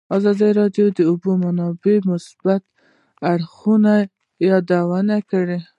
ازادي راډیو د د اوبو منابع د مثبتو اړخونو یادونه کړې.